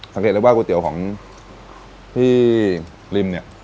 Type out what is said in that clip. สังเกตเลยว่าก๋วยเตี๋ยวของพี่ริมเนี่ย